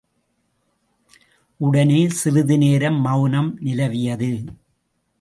உடனே சிறிது நேரம் மெளனம் நிலவியது.